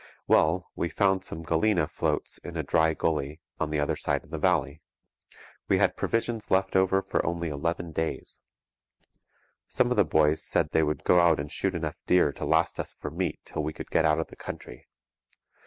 Well, we found some galena "floats" in a dry gully on the other side of the valley. We had provisions left for only eleven days. Some of the boys said they would go out and shoot enough deer to last us for meat till we could get out of the country.